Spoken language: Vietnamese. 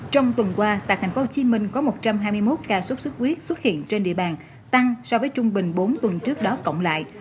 trong tuần qua tại tp hcm có một trăm hai mươi một ca sốt xuất huyết xuất hiện trên địa bàn tăng so với trung bình bốn tuần trước đó cộng lại